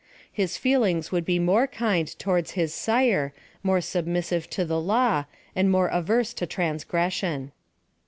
His feelings would be more kind towards his sire, more submissive to the law, and more averse to transgression.